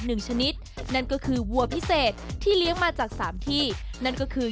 ชนิดนั่นก็คือวัวพิเศษที่เลี้ยงมาจากสามที่นั่นก็คือ